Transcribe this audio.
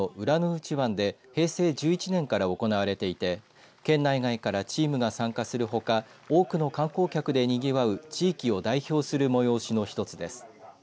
内湾で平成１１年から行われていて県内外からチームが参加するほか多くの観光客でにぎわう地域を代表する催しの一つです。